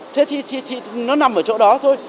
thế thì nó nằm ở chỗ đó thôi